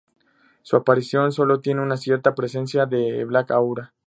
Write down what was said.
Su aparición solo tiene una cierta presencia de Black Aura.